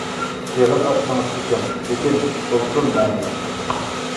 يىغىن ئاچسىڭىز ئېچىڭ، لېكىن بولسۇن مەنىلىك.